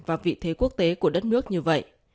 và vị thế quốc tế của đất nước như vậy